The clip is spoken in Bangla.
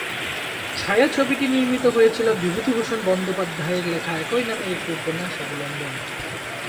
ছায়াছবিটি নির্মিত হয়েছিল বিভূতিভূষণ বন্দ্যোপাধ্যায়ের লেখা একই নামের একটি উপন্যাস অবলম্বনে।